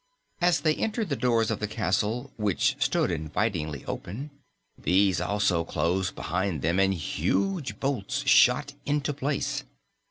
As they entered the doors of the castle, which stood invitingly open, these also closed behind them and huge bolts shot into place.